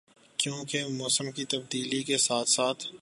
کیونکہ موسموں کی تبدیلی کے ساتھ ساتھ